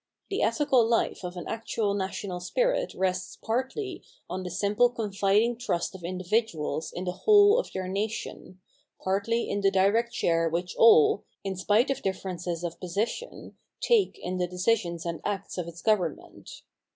The ethical life of an actual national spirit rests partly on the simple confiding trust of individuals in the whole of their nation, partly in the direct share which all, in spite of differences of position, take in the decisions and acts of its government.